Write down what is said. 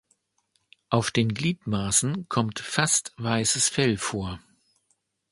Auf den Gliedmaßen kommt fast weißes Fell vor.